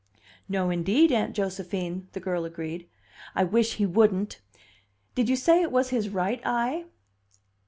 "No, indeed, Aunt Josephine!" the girl agreed. "I wish he wouldn't. Did you say it was his right eye?"